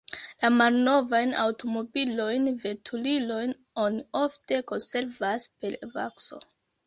La malnovajn aŭtomobilojn, veturilojn oni ofte konservas per vakso.